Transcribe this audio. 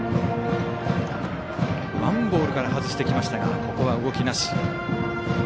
ワンボールから外してきましたがここは動きなし。